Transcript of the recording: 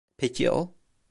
Peki ya o?